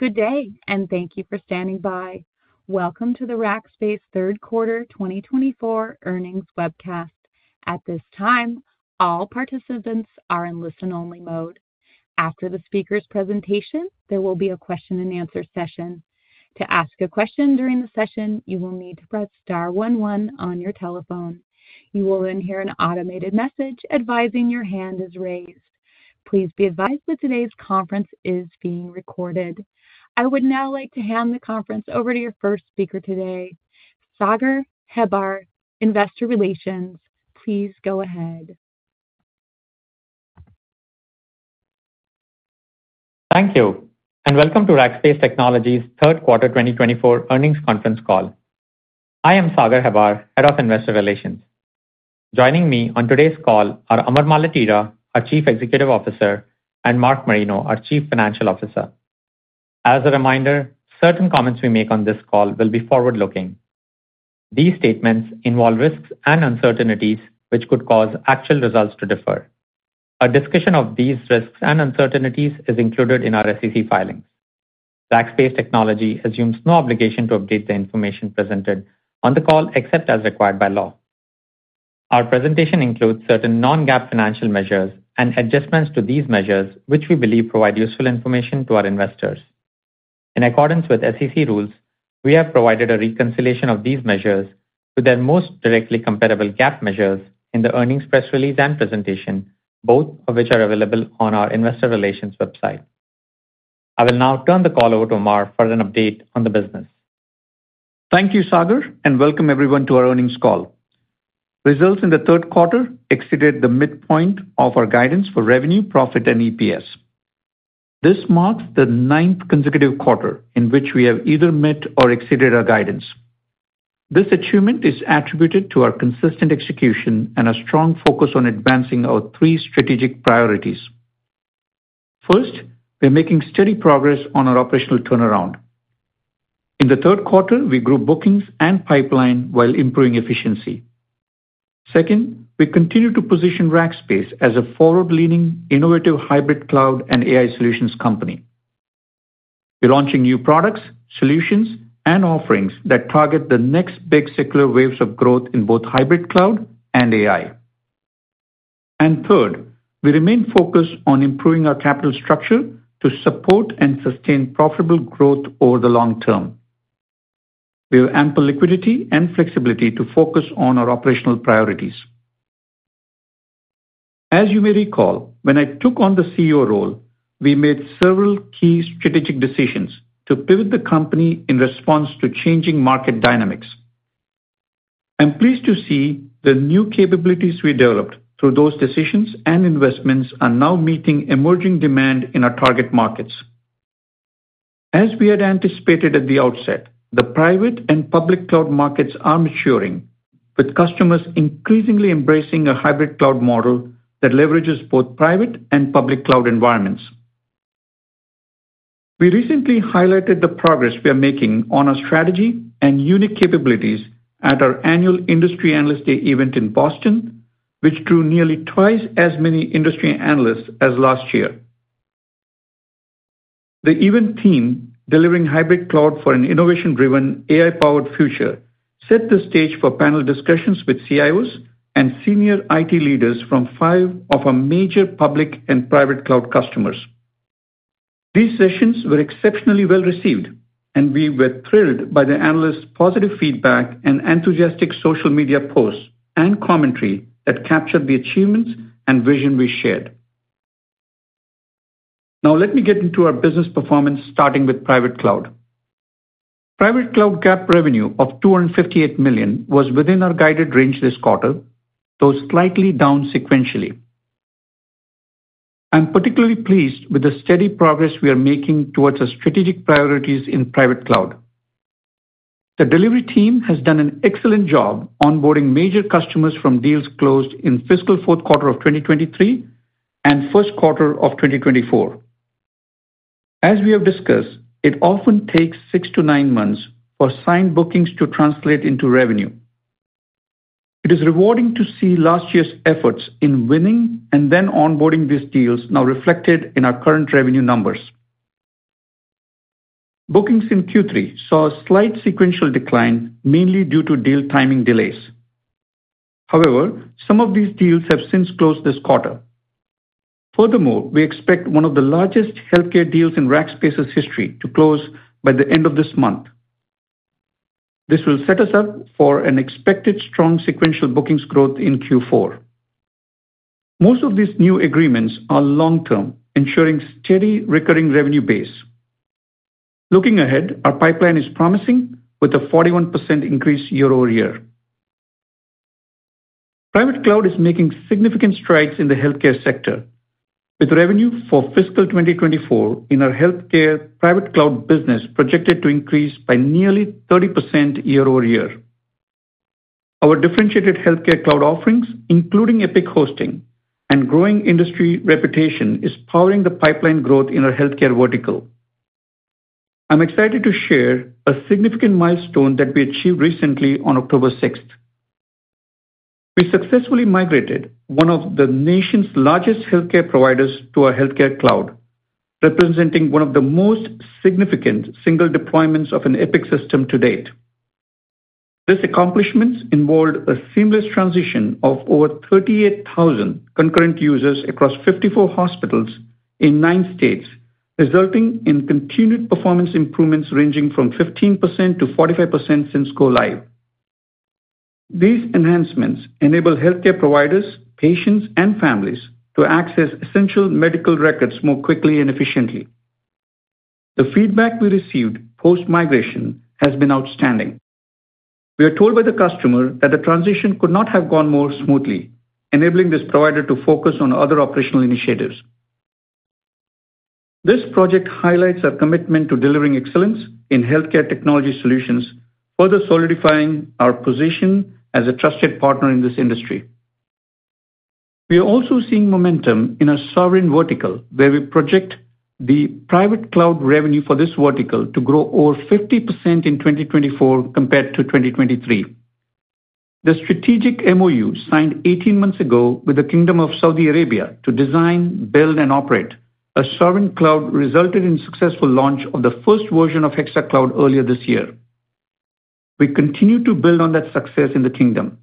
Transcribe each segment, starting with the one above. Good day, and thank you for standing by. Welcome to the Rackspace Q3 2024 Earnings Webcast. At this time, all participants are in listen-only mode. After the speaker's presentation, there will be a question-and-answer session. To ask a question during the session, you will need to press one one on your telephone. You will then hear an automated message advising your hand is raised. Please be advised that today's conference is being recorded. I would now like to hand the conference over to your first speaker today, Sagar Hebbar, Investor Relations. Please go ahead. Thank you, and welcome to Rackspace Technology's Third Quarter 2024 earnings conference call. I am Sagar Hebbar, Head of Investor Relations. Joining me on today's call are Amar Maletira, our Chief Executive Officer, and Mark Marino, our Chief Financial Officer. As a reminder, certain comments we make on this call will be forward-looking. These statements involve risks and uncertainties which could cause actual results to differ. A discussion of these risks and uncertainties is included in our SEC filings. Rackspace Technology assumes no obligation to update the information presented on the call except as required by law. Our presentation includes certain non-GAAP financial measures and adjustments to these measures which we believe provide useful information to our investors. In accordance with SEC rules, we have provided a reconciliation of these measures to their most directly comparable GAAP measures in the earnings press release and presentation, both of which are available on our Investor Relations website. I will now turn the call over to Amar for an update on the business. Thank you, Sagar, and welcome everyone to our earnings call. Results in third quarter exceeded the midpoint of our guidance for revenue, profit, and EPS. This marks the ninth consecutive quarter in which we have either met or exceeded our guidance. This achievement is attributed to our consistent execution and a strong focus on advancing our three strategic priorities. First, we are making steady progress on our operational turnaround. In third quarter, we grew bookings and pipeline while improving efficiency. Second, we continue to position Rackspace as a forward-leaning, innovative hybrid cloud and AI solutions company. We are launching new products, solutions, and offerings that target the next big secular waves of growth in both hybrid cloud and AI, and third, we remain focused on improving our capital structure to support and sustain profitable growth over the long term. We have ample liquidity and flexibility to focus on our operational priorities. As you may recall, when I took on the CEO role, we made several key strategic decisions to pivot the company in response to changing market dynamics. I'm pleased to see the new capabilities we developed through those decisions and investments are now meeting emerging demand in our target markets. As we had anticipated at the outset, the private and public cloud markets are maturing, with customers increasingly embracing a hybrid cloud model that leverages both private and public cloud environments. We recently highlighted the progress we are making on our strategy and unique capabilities at our annual Industry Analyst Day event in Boston, which drew nearly twice as many industry analysts as last year. The event theme, "Delivering Hybrid Cloud for an Innovation-Driven, AI-Powered Future," set the stage for panel discussions with CIOs and senior IT leaders from five of our major public and private cloud customers. These sessions were exceptionally well received, and we were thrilled by the analysts' positive feedback and enthusiastic social media posts and commentary that captured the achievements and vision we shared. Now, let me get into our business performance, starting with Private Cloud. Private Cloud GAAP revenue of $258 million was within our guided range this quarter, though slightly down sequentially. I'm particularly pleased with the steady progress we are making towards our strategic priorities in Private Cloud. The delivery team has done an excellent job onboarding major customers from deals closed in fiscal fourth quarter of 2023 and first quarter 2024. As we have discussed, it often takes six to nine months for signed bookings to translate into revenue. It is rewarding to see last year's efforts in winning and then onboarding these deals now reflected in our current revenue numbers. Bookings in Q3 saw a slight sequential decline, mainly due to deal timing delays. However, some of these deals have since closed this quarter. Furthermore, we expect one of the largest healthcare deals in Rackspace's history to close by the end of this month. This will set us up for an expected strong sequential bookings growth in Q4. Most of these new agreements are long-term, ensuring steady recurring revenue base. Looking ahead, our pipeline is promising, with a 41% increase year-over-year. Private cloud is making significant strides in the healthcare sector, with revenue for fiscal 2024 in our healthcare private cloud business projected to increase by nearly 30% year-over-year. Our differentiated healthcare cloud offerings, including Epic Hosting, and growing industry reputation are powering the pipeline growth in our healthcare vertical. I'm excited to share a significant milestone that we achieved recently on October six. We successfully migrated one of the nation's largest healthcare providers to our healthcare cloud, representing one of the most significant single deployments of an Epic system to date. This accomplishment involved a seamless transition of over 38,000 concurrent users across 54 hospitals in nine states, resulting in continued performance improvements ranging from 15%-45% since go-live. These enhancements enable healthcare providers, patients, and families to access essential medical records more quickly and efficiently. The feedback we received post-migration has been outstanding. We are told by the customer that the transition could not have gone more smoothly, enabling this provider to focus on other operational initiatives. This project highlights our commitment to delivering excellence in healthcare technology solutions, further solidifying our position as a trusted partner in this industry. We are also seeing momentum in our sovereign vertical, where we project the private cloud revenue for this vertical to grow over 50% in 2024 compared to 2023. The strategic MoU signed 18 months ago with the Kingdom of Saudi Arabia to design, build, and operate a sovereign cloud resulted in the successful launch of the first version of HexaCloud earlier this year. We continue to build on that success in the Kingdom.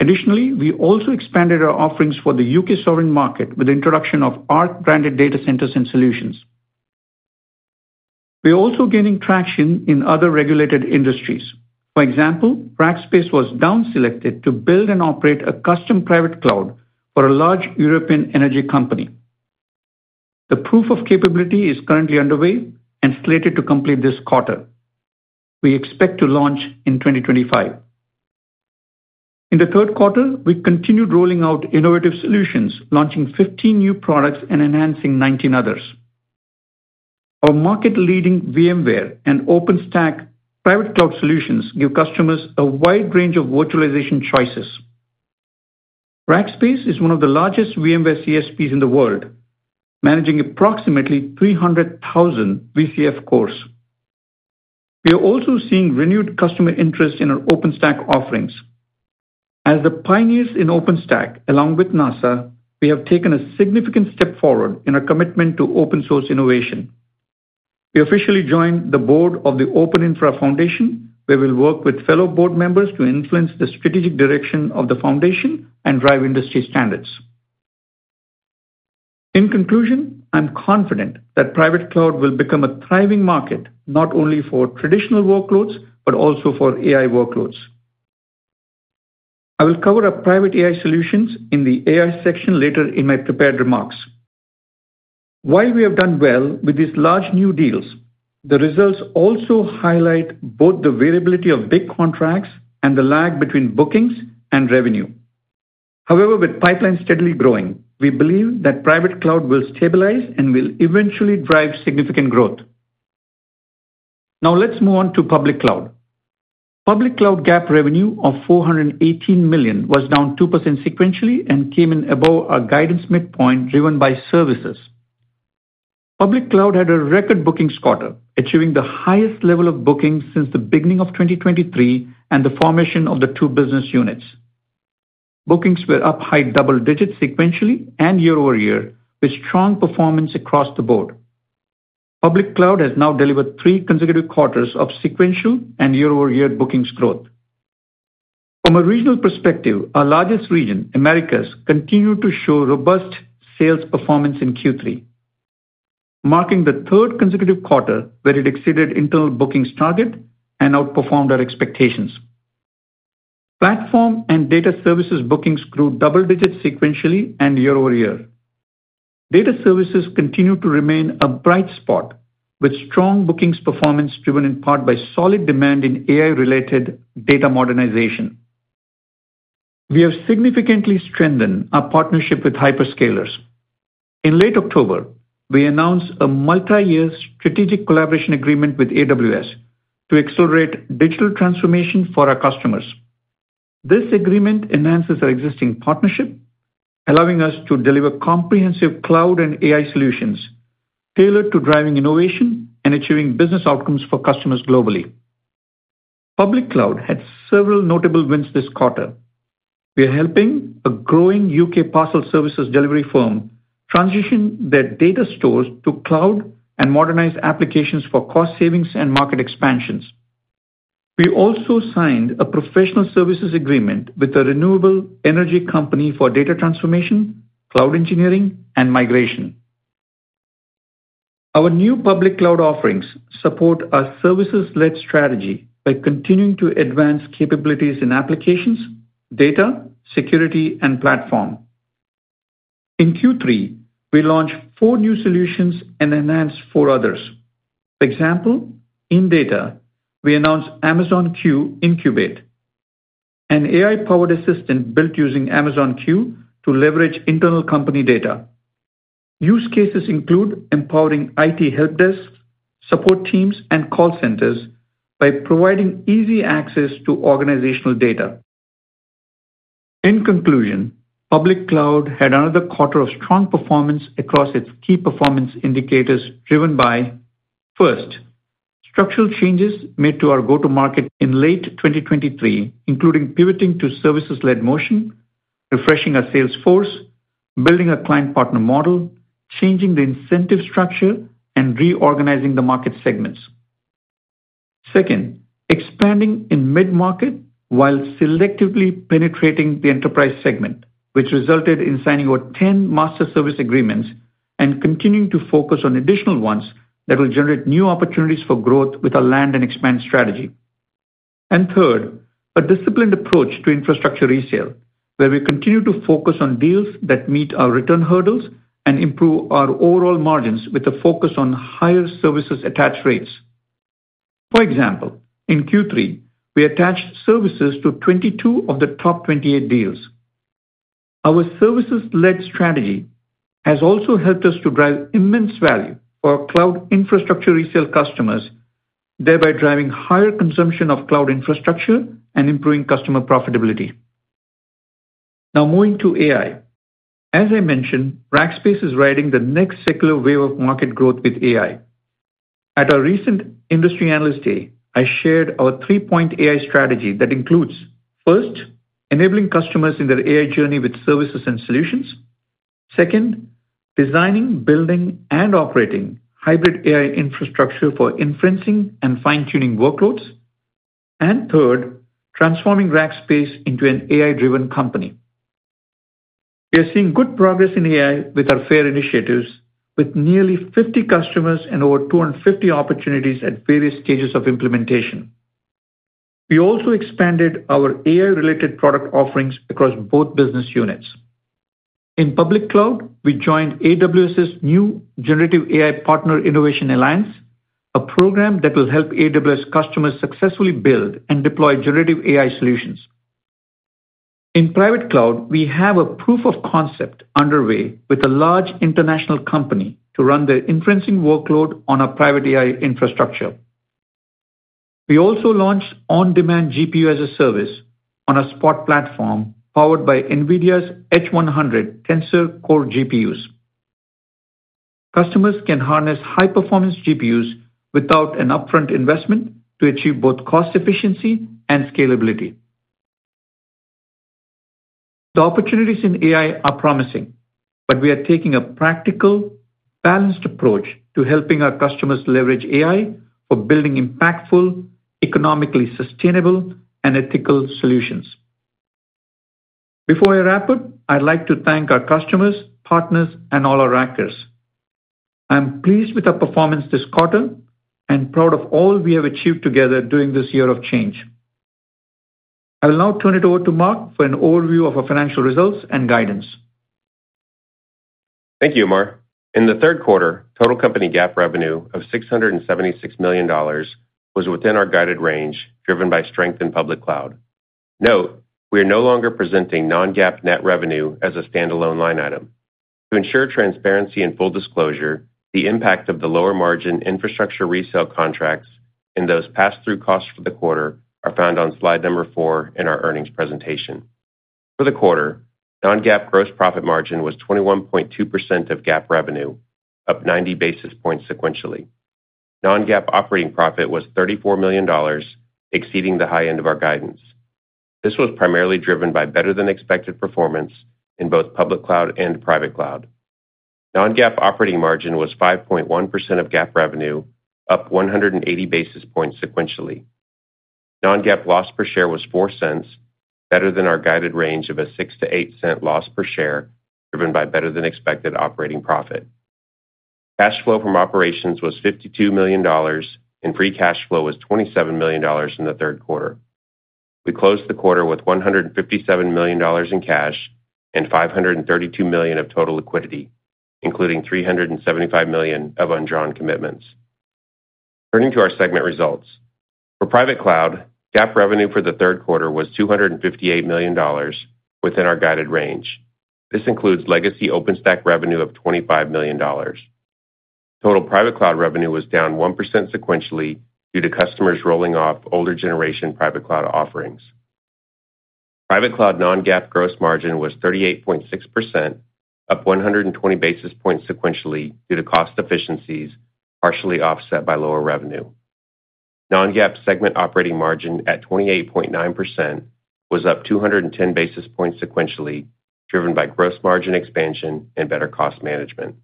Additionally, we also expanded our offerings for the U.K. sovereign market with the introduction of Ark-branded data centers and solutions. We are also gaining traction in other regulated industries. For example, Rackspace was down-selected to build and operate a custom private cloud for a large European energy company. The proof of capability is currently underway and slated to complete this quarter. We expect to launch in 2025. In third quarter, we continued rolling out innovative solutions, launching 15 new products and enhancing 19 others. Our market-leading VMware and OpenStack private cloud solutions give customers a wide range of virtualization choices. Rackspace is one of the largest VMware CSPs in the world, managing approximately 300,000 VCF cores. We are also seeing renewed customer interest in our OpenStack offerings. As the pioneers in OpenStack, along with NASA, we have taken a significant step forward in our commitment to open-source innovation. We officially joined the board of the OpenInfra Foundation, where we will work with fellow board members to influence the strategic direction of the foundation and drive industry standards. In conclusion, I'm confident that private cloud will become a thriving market not only for traditional workloads but also for AI workloads. I will cover private AI solutions in the AI section later in my prepared remarks. While we have done well with these large new deals, the results also highlight both the variability of big contracts and the lag between bookings and revenue. However, with pipelines steadily growing, we believe that private cloud will stabilize and will eventually drive significant growth. Now, let's move on to public cloud. Public cloud GAAP revenue of $418 million was down 2% sequentially and came in above our guidance midpoint driven by services. Public cloud had a record bookings quarter, achieving the highest level of bookings since the beginning of 2023 and the formation of the two business units. Bookings were up high double digits sequentially and year-over-year, with strong performance across the board. Public cloud has now delivered three consecutive quarters of sequential and year-over-year bookings growth. From a regional perspective, our largest region, Americas, continued to show robust sales performance in Q3, marking the third consecutive quarter where it exceeded internal bookings target and outperformed our expectations. Platform and data services bookings grew double digits sequentially and year-over-year. Data services continue to remain a bright spot, with strong bookings performance driven in part by solid demand in AI-related data modernization. We have significantly strengthened our partnership with hyperscalers. In late October, we announced a multi-year strategic collaboration agreement with AWS to accelerate digital transformation for our customers. This agreement enhances our existing partnership, allowing us to deliver comprehensive cloud and AI solutions tailored to driving innovation and achieving business outcomes for customers globally. Public cloud had several notable wins this quarter. We are helping a growing U.K. parcel services delivery firm transition their data stores to cloud and modernize applications for cost savings and market expansions. We also signed a professional services agreement with a renewable energy company for data transformation, cloud engineering, and migration. Our new public cloud offerings support our services-led strategy by continuing to advance capabilities in applications, data, security, and platform. In Q3, we launched four new solutions and enhanced four others. For example, in data, we announced Amazon Q Incubate, an AI-powered assistant built using Amazon Q to leverage internal company data. Use cases include empowering IT help desks, support teams, and call centers by providing easy access to organizational data. In conclusion, public cloud had another quarter of strong performance across its key performance indicators driven by: first, structural changes made to our go-to-market in late 2023, including pivoting to services-led motion, refreshing our sales force, building a client-partner model, changing the incentive structure, and reorganizing the market segments. Second, expanding in mid-market while selectively penetrating the enterprise segment, which resulted in signing over 10 master service agreements and continuing to focus on additional ones that will generate new opportunities for growth with our land and expand strategy. And third, a disciplined approach to infrastructure resale, where we continue to focus on deals that meet our return hurdles and improve our overall margins with a focus on higher services attach rates. For example, in Q3, we attached services to 22 of the top 28 deals. Our services-led strategy has also helped us to drive immense value for our cloud infrastructure resale customers, thereby driving higher consumption of cloud infrastructure and improving customer profitability. Now, moving to AI. As I mentioned, Rackspace is riding the next secular wave of market growth with AI. At our recent Industry Analyst Day, I shared our three-point AI strategy that includes: first, enabling customers in their AI journey with services and solutions; second, designing, building, and operating hybrid AI infrastructure for inferencing and fine-tuning workloads; and third, transforming Rackspace into an AI-driven company. We are seeing good progress in AI with our FAIR initiatives, with nearly 50 customers and over 250 opportunities at various stages of implementation. We also expanded our AI-related product offerings across both business units. In public cloud, we joined AWS's new Generative AI Partner Innovation Alliance, a program that will help AWS customers successfully build and deploy generative AI solutions. In private cloud, we have a proof of concept underway with a large international company to run their inferencing workload on our private AI infrastructure. We also launched on-demand GPU as a service on a Spot platform powered by NVIDIA's H100 Tensor Core GPUs. Customers can harness high-performance GPUs without an upfront investment to achieve both cost efficiency and scalability. The opportunities in AI are promising, but we are taking a practical, balanced approach to helping our customers leverage AI for building impactful, economically sustainable, and ethical solutions. Before I wrap up, I'd like to thank our customers, partners, and all our Rackers. I'm pleased with our performance this quarter and proud of all we have achieved together during this year of change. I will now turn it over to Mark for an overview of our financial results and guidance. Thank you, Amar. In a third quarter, total company GAAP revenue of $676 million was within our guided range, driven by strength in public cloud. Note, we are no longer presenting non-GAAP net revenue as a standalone line item. To ensure transparency and full disclosure, the impact of the lower-margin infrastructure resale contracts and those pass-through costs for the quarter are found on slide number four in our earnings presentation. For the quarter, non-GAAP gross profit margin was 21.2% of GAAP revenue, up 90 basis points sequentially. Non-GAAP operating profit was $34 million, exceeding the high end of our guidance. This was primarily driven by better-than-expected performance in both public cloud and private cloud. Non-GAAP operating margin was 5.1% of GAAP revenue, up 180 basis points sequentially. Non-GAAP loss per share was $0.04, better than our guided range of a $0.06-$0.08 loss per share, driven by better-than-expected operating profit. Cash flow from operations was $52 million, and free cash flow was $27 million in third quarter. We closed the quarter with $157 million in cash and $532 million of total liquidity, including $375 million of undrawn commitments. Turning to our segment results, for private cloud, GAAP revenue for third quarter was $258 million, within our guided range. This includes legacy OpenStack revenue of $25 million. Total private cloud revenue was down 1% sequentially due to customers rolling off older-generation private cloud offerings. Private cloud non-GAAP gross margin was 38.6%, up 120 basis points sequentially due to cost efficiencies, partially offset by lower revenue. Non-GAAP segment operating margin at 28.9% was up 210 basis points sequentially, driven by gross margin expansion and better cost management.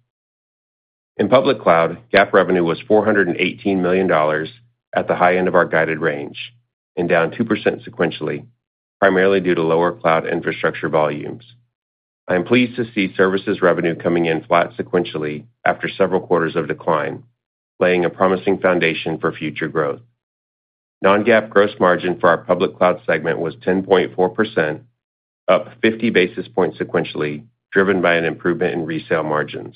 In public cloud, GAAP revenue was $418 million at the high end of our guided range, and down 2% sequentially, primarily due to lower cloud infrastructure volumes. I'm pleased to see services revenue coming in flat sequentially after several quarters of decline, laying a promising foundation for future growth. Non-GAAP gross margin for our public cloud segment was 10.4%, up 50 basis points sequentially, driven by an improvement in resale margins.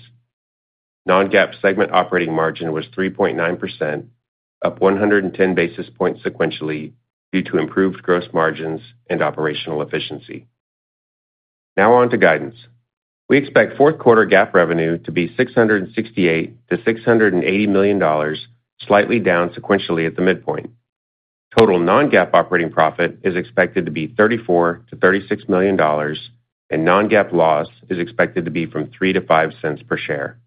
Non-GAAP segment operating margin was 3.9%, up 110 basis points sequentially due to improved gross margins and operational efficiency. Now, on to guidance. We expect Q4 GAAP revenue to be $668-$680 million, slightly down sequentially at the midpoint. Total non-GAAP operating profit is expected to be $34-$36 million, and non-GAAP loss is expected to be from $0.03-$0.05 per share.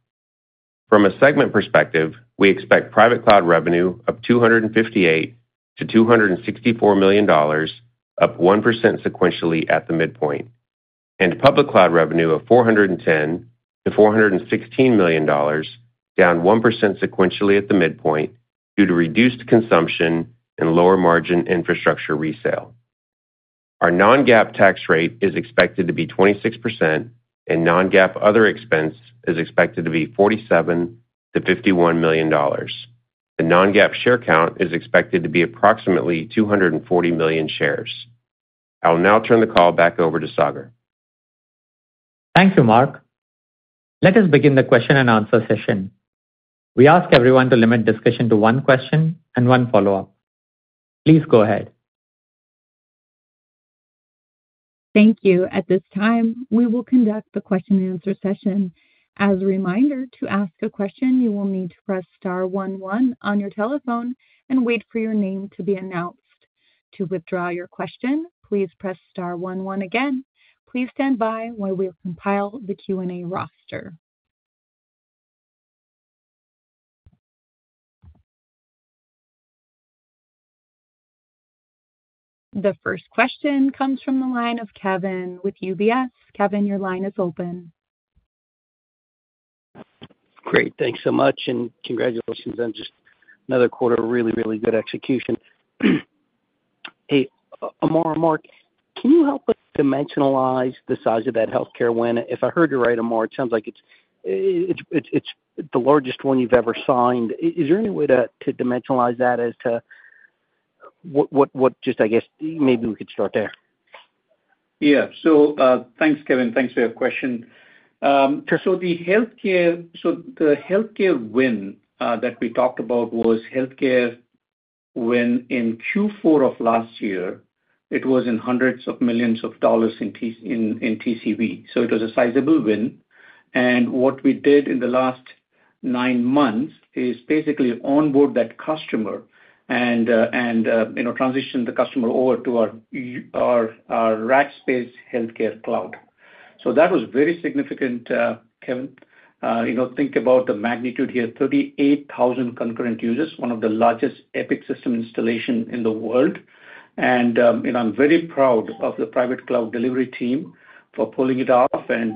From a segment perspective, we expect private cloud revenue of $258-$264 million, up 1% sequentially at the midpoint, and public cloud revenue of $410-$416 million, down 1% sequentially at the midpoint due to reduced consumption and lower-margin infrastructure resale. Our non-GAAP tax rate is expected to be 26%, and non-GAAP other expense is expected to be $47-$51 million. The non-GAAP share count is expected to be approximately 240 million shares. I will now turn the call back over to Sagar. Thank you, Mark. Let us begin the question and answer session. We ask everyone to limit discussion to one question and one follow-up. Please go ahead. Thank you. At this time, we will conduct the question and answer session. As a reminder, to ask a question, you will need to press star one one on your telephone and wait for your name to be announced. To withdraw your question, please press star one one again. Please stand by while we compile the Q&A roster. The first question comes from the line of Kevin with UBS. Kevin, your line is open. Great. Thanks so much, and congratulations on just another quarter of really, really good execution. Hey, Amar, Mark, can you help us dimensionalize the size of that healthcare win? If I heard you right, Amar, it sounds like it's the largest one you've ever signed. Is there any way to dimensionalize that as to what just, I guess, maybe we could start there? Yeah. So thanks, Kevin. Thanks for your question. So the healthcare win that we talked about was in Q4 of last year. It was in 100 millions of dollars in TCV. So it was a sizable win. And what we did in the last nine months is basically onboard that customer and transition the customer over to our Rackspace Healthcare Cloud. So that was very significant, Kevin. Think about the magnitude here: 38,000 concurrent users, one of the largest Epic system installations in the world. And I'm very proud of the private cloud delivery team for pulling it off and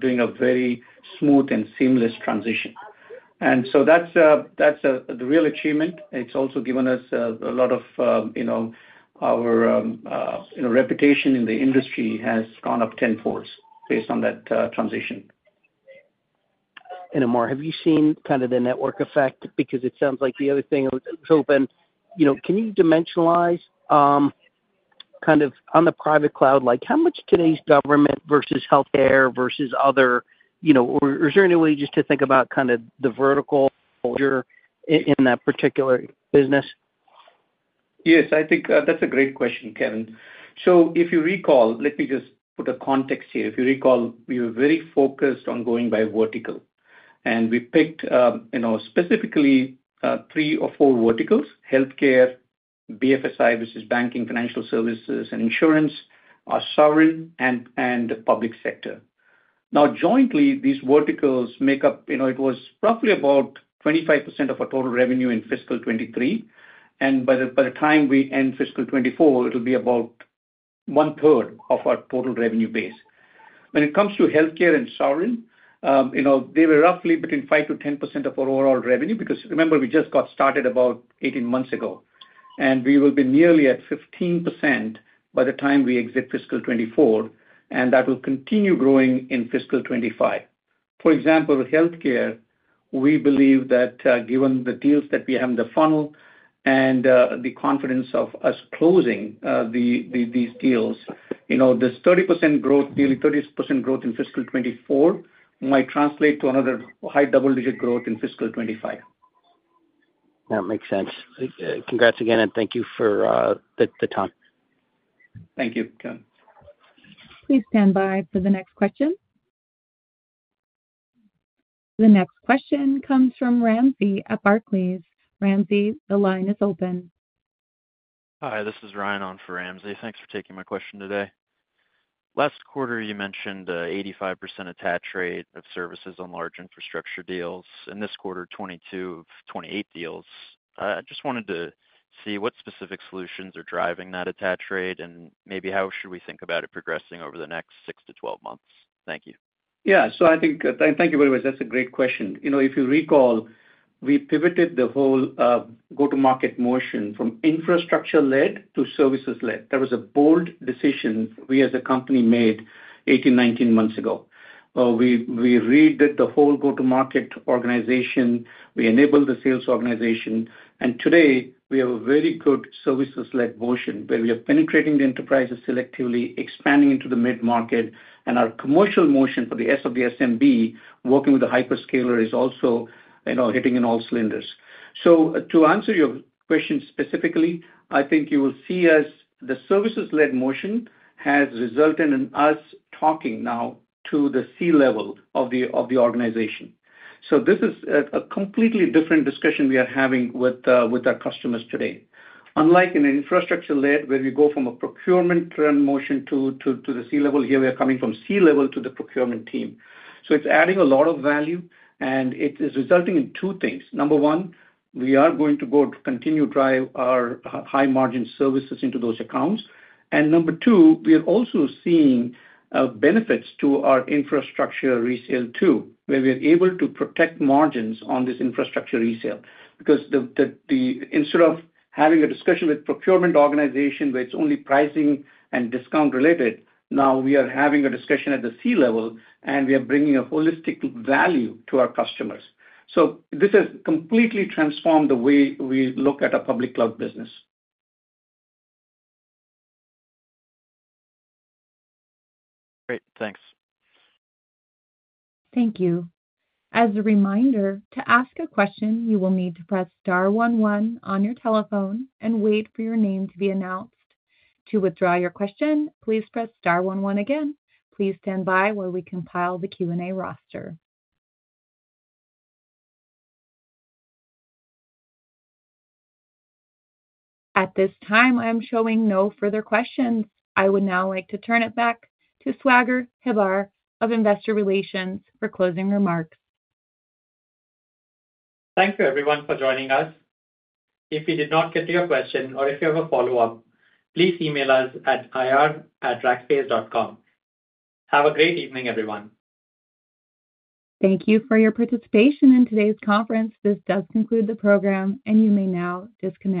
doing a very smooth and seamless transition. And so that's a real achievement. It's also given us a lot of our reputation in the industry has gone up tenfold based on that transition. And Amar, have you seen kind of the network effect? Because it sounds like the other thing I was hoping, can you dimensionalize kind of on the private cloud, how much today's government versus healthcare versus other? Or is there any way just to think about kind of the vertical in that particular business? Yes, I think that's a great question, Kevin. So if you recall, let me just put a context here. If you recall, we were very focused on going by vertical. And we picked specifically three or four verticals: healthcare, BFSI, which is banking, financial services, and insurance, our sovereign, and the public sector. Now, jointly, these verticals make up, it was roughly about 25% of our total revenue in fiscal 2023. And by the time we end fiscal 2024, it'll be about one-third of our total revenue base. When it comes to healthcare and sovereign, they were roughly between 5% to 10% of our overall revenue because, remember, we just got started about 18 months ago. And we will be nearly at 15% by the time we exit fiscal 2024, and that will continue growing in fiscal 2025. For example, with healthcare, we believe that given the deals that we have in the funnel and the confidence of us closing these deals, this 30% growth, nearly 30% growth in fiscal 2024 might translate to another high double-digit growth in fiscal 2025. That makes sense. Congrats again, and thank you for the time. Thank you, Kevin. Please stand by for the next question. The next question comes from Ramsey at Barclays. Ramsey, the line is open. Hi, this is Ryan on for Ramsey. Thanks for taking my question today. Last quarter, you mentioned an 85% attach rate of services on large infrastructure deals. In this quarter, 22 of 28 deals. I just wanted to see what specific solutions are driving that attach rate and maybe how should we think about it progressing over the next six to 12 months. Thank you. Yeah. So I think, thank you, by the way, that's a great question. If you recall, we pivoted the whole go-to-market motion from infrastructure-led to services-led. That was a bold decision we as a company made 18, 19 months ago. We redid the whole go-to-market organization. We enabled the sales organization. And today, we have a very good services-led motion where we are penetrating the enterprises selectively, expanding into the mid-market. And our commercial motion for the S of the SMB, working with the hyperscaler, is also hitting in all cylinders. So to answer your question specifically, I think you will see us, the services-led motion has resulted in us talking now to the C level of the organization. So this is a completely different discussion we are having with our customers today. Unlike in an infrastructure-led where we go from procurement to motion to the C-level, here we are coming from C-level to the procurement team. So it's adding a lot of value, and it is resulting in two things. Number one, we are going to continue to drive our high-margin services into those accounts. And number two, we are also seeing benefits to our infrastructure resale too, where we are able to protect margins on this infrastructure resale. Because instead of having a discussion with the procurement organization where it's only pricing and discount-related, now we are having a discussion at the C-level, and we are bringing a holistic value to our customers. So this has completely transformed the way we look at our public cloud business. Great. Thanks. Thank you. As a reminder, to ask a question, you will need to press star one one on your telephone and wait for your name to be announced. To withdraw your question, please press star one one again. Please stand by while we compile the Q&A roster. At this time, I'm showing no further questions. I would now like to turn it back to Sagar Hebbar of Investor Relations for closing remarks. Thank you, everyone, for joining us. If we did not get to your question or if you have a follow-up, please email us at ir@rackspace.com. Have a great evening, everyone. Thank you for your participation in today's conference. This does conclude the program, and you may now disconnect.